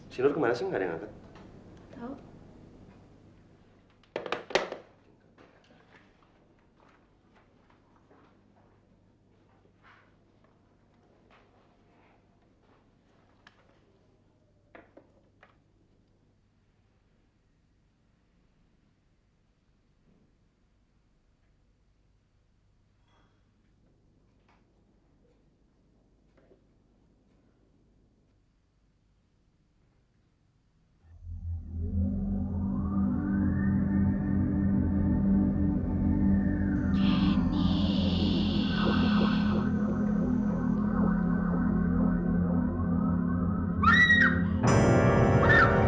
sinur kemarah semangat yang angkat